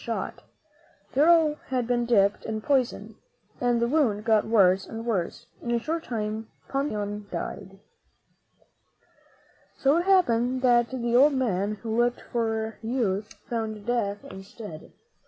The arrow had been dipped in poison and the wound got worse and worse, and in a short time Ponce de Leon died. So it happened that the old man who looked for youth found death instead.